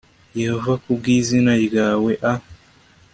Yehova ku bw izina ryawe a